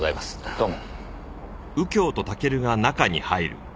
どうも。